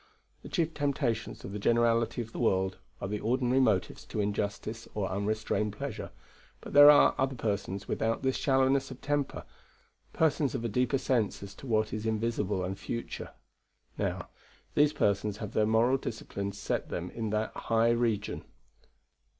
"The chief temptations of the generality of the world are the ordinary motives to injustice or unrestrained pleasure; but there are other persons without this shallowness of temper; persons of a deeper sense as to what is invisible and future. Now, these persons have their moral discipline set them in that high region."